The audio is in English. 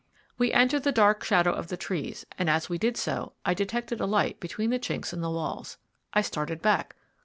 We entered the dark shadow of the trees, and as we did so I detected a light between the chinks in the walls. I started back.